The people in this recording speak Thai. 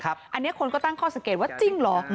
อันนี้คนก็ตั้งข้อสังเกตว่าจริงเหรอ